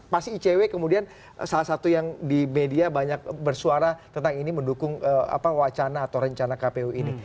pasti icw kemudian salah satu yang di media banyak bersuara tentang ini mendukung wacana atau rencana kpu ini